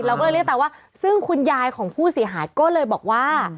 เราก็เลยเรียกตาว่าซึ่งคุณยายของผู้เสียหายก็เลยบอกว่า